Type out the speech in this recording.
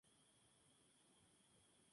Durante varios años fue el capitán del Dynamo.